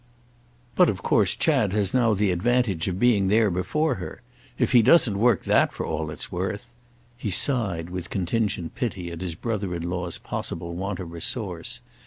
"But of course Chad has now the advantage of being there before her. If he doesn't work that for all it's worth—!" He sighed with contingent pity at his brother in law's possible want of resource.